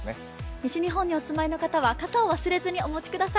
西日本にお住まいの方は傘を忘れずにお持ちください。